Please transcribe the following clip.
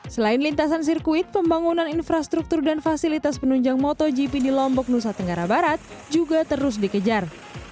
selain lintasan sirkuit pembangunan infrastruktur dan fasilitas penunjang motogp di lombok nusa tenggara barat juga terus dikejar